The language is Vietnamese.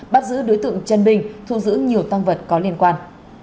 bắt giữ đối tượng trần bình thu giữ nhiều tăng vật có liên quan